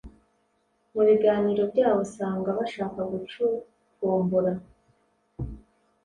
Mu biganiro byabo usanga bashaka gucukumbura